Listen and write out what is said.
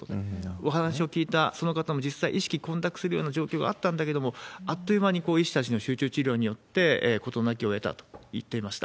お話を聞いたその方も、実際、意識混濁するような状況があったんだけれども、あっという間に医師たちの集中治療によって事なきを得たと言っていました。